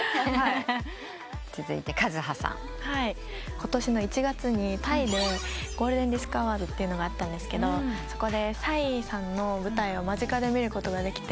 ことしの１月にタイでゴールデンディスクアワードがあったんですがそこでＰＳＹさんの舞台を間近で見ることができて。